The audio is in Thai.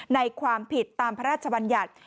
ความผิดตามพระราชบัญญัติ